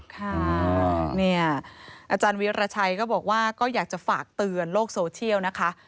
ค่ะเนี่ยอาจารย์วิราชัยก็บอกว่าก็อยากจะฝากเตือนโลกโซเชียลนะคะ